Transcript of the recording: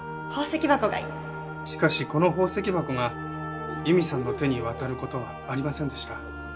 しかしこの宝石箱が佑美さんの手に渡る事はありませんでした。